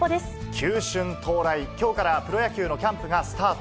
球春到来、きょうからプロ野球のキャンプがスタート。